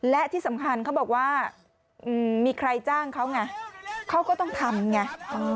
และที่สำคัญเขาบอกว่ามีใครจ้างเขาไงเขาก็ต้องทำไง